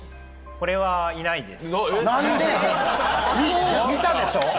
これはいないです。